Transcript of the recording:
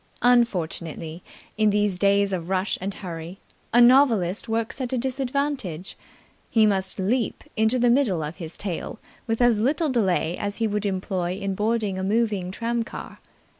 Unfortunately, in these days of rush and hurry, a novelist works at a disadvantage. He must leap into the middle of his tale with as little delay as he would employ in boarding a moving tramcar.